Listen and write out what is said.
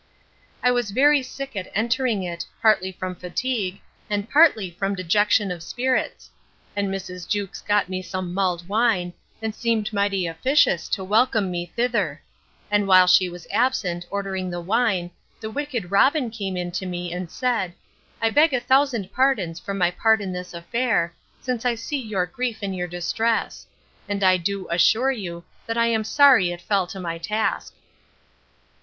I was very sick at entering it, partly from fatigue, and partly from dejection of spirits: and Mrs. Jewkes got me some mulled wine, and seemed mighty officious to welcome me thither; and while she was absent, ordering the wine, the wicked Robin came in to me, and said, I beg a thousand pardons for my part in this affair, since I see your grief and your distress; and I do assure you, that I am sorry it fell to my task.